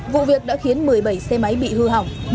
vụ việc đã khiến một mươi bảy xe máy bị hư hỏng